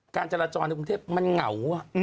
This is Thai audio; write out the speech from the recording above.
การจราจรในกรุงเทพมันเหงา